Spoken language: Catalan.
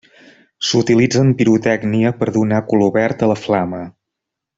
S'utilitza en pirotècnia per donar color verd a la flama.